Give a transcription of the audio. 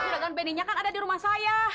gerakan benny nya kan ada di rumah saya